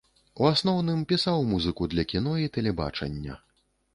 У асноўным пісаў музыку для кіно і тэлебачання.